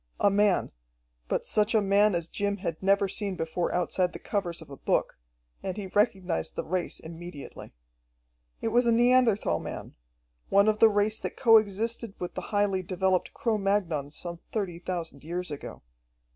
A man but such a man as Jim had never seen before outside the covers of a book. And he recognised the race immediately. It was a Neanderthal man, one of the race that co existed with the highly developed Cro Magnons some thirty thousand years ago.